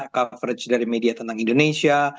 coverage dari media tentang indonesia